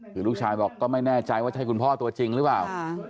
คือลูกชายบอกก็ไม่แน่ใจว่าใช่คุณพ่อตัวจริงหรือเปล่า